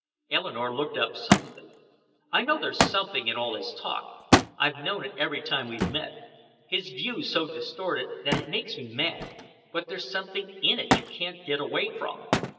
Eleanore looked up suddenly. "I know there's something in all his talk, I've known it every time we've met. His view's so distorted it makes me mad, but there's something in it you can't get away from.